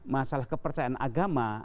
masalah kepercayaan agama